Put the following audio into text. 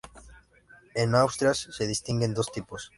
En Asturias se distinguen dos tipos.